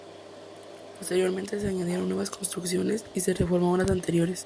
Posteriormente se añadieron nuevas construcciones y se reformaron las anteriores.